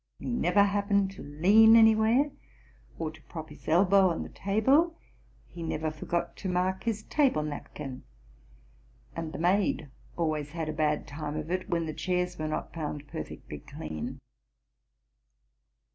He never happened to lean anywhere, or to prop his elbow on the table; he never forgot to mark his table napkin; and the maid always had a bad time of it when the chairs were not found perfectly clean.